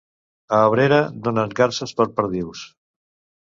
A Abrera, donen garses per perdius.